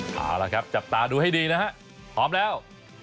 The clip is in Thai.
เอาละครับจับตาดูให้ดีนะฮะพร้อมแล้ว